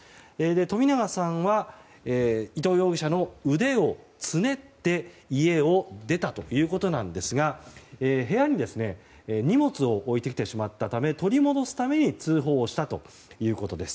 冨永さんは伊藤容疑者の腕をつねって家を出たということなんですが部屋に荷物を置いてきてしまったため取り戻すために通報したということです。